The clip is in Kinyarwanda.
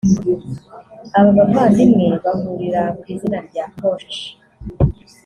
Aba bavandimwe bahurira ku izina rya Koch